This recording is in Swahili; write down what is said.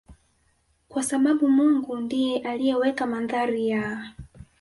kwa sababu Mungu ndiye aliyeweka mandhari ya